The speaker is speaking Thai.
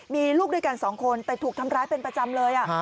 มีลูกด้วยกันสองคนแต่ถูกทำร้ายเป็นประจำเลย